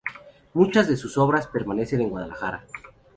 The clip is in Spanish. Muchas de sus obras permanecen en Guadalajara.